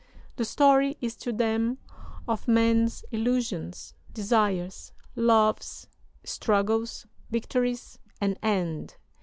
The story is to them of man's illusions, desires, loves, struggles, victories, and end.